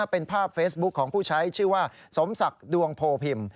เป็นภาพเฟซบุ๊คของผู้ใช้ชื่อว่าสมศักดิ์ดวงโพพิม